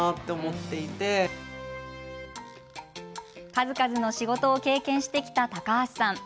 数々の仕事を経験してきた高橋さん。